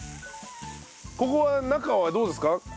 ここは仲はどうですか？